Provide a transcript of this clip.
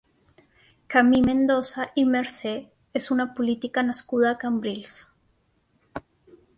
Camí Mendoza i Mercè és una política nascuda a Cambrils.